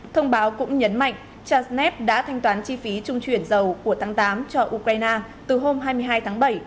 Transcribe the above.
thông báo cũng nhấn mạnh transnef đã thanh toán chi phí trung chuyển dầu của tháng tám cho ukraine từ hôm hai mươi hai tháng bảy